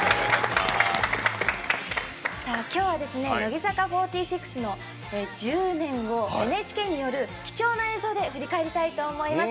きょうは乃木坂４６の１０年をＮＨＫによる貴重な映像で振り返りたいと思います。